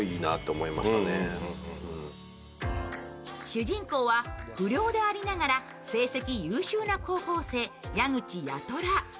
主人公は不良でありながら成績優秀な高校生・矢口八虎。